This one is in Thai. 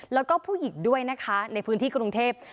แล้วก็ผู้หญิงด้วยนะคะในพื้นที่กรุงเทพ